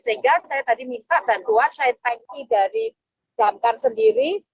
sehingga saya tadi minta bantuan saya tangki dari gamkar sendiri